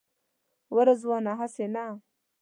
وا رضوانه هسې نه.